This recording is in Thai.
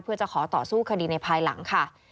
เพื่อจะขอต่อสู้คดีในภายหลังค่ะ